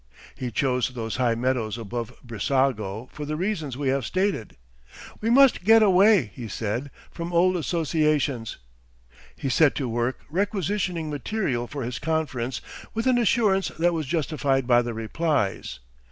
He chose those high meadows above Brissago for the reasons we have stated. 'We must get away,' he said, 'from old associations.' He set to work requisitioning material for his conference with an assurance that was justified by the replies.